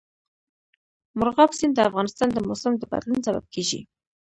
مورغاب سیند د افغانستان د موسم د بدلون سبب کېږي.